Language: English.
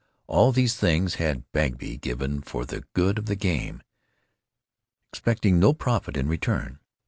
All these things had Bagby given for the good of the game, expecting no profit in return.